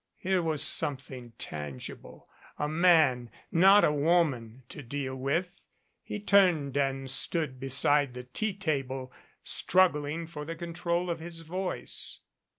Here was something tangible a man, not a woman, to deal with. He turned and stood beside the tea table, struggling for the control of his voice.